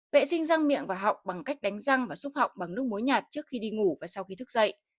vệ sinh răng miệng và học bằng cách đánh răng và xúc học bằng nước muối nhạt trước khi đi ngủ và sau khi thức dậy